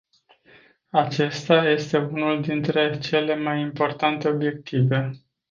Acesta este unul dintre cele mai importante obiective.